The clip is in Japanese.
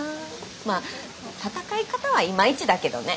まあ戦い方はいまいちだけどね。